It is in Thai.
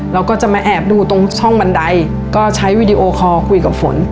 เราก็จะมาแอบดูตรงช่องบันไดก็ใช้วีดีโอคอลคุยกับฝน